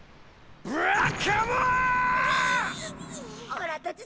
おらたち